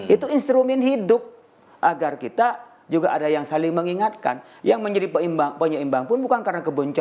itu instrumen hidup agar kita juga ada yang saling mengingatkan yang menjadi penyeimbang pun bukan karena kebencian